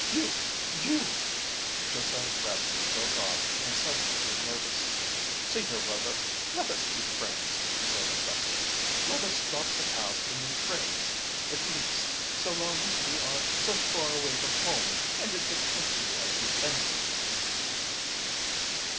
"You you " Josiah Crabtree broke off and suddenly grew nervous. "See here, Rover, let us be friends," he said abruptly. "Let us drop the past and be friends at least, so long as we are so far away from home and in the country of the enemy."